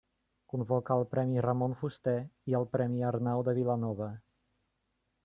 Convoca el Premi Ramon Fuster i el Premi Arnau de Vilanova.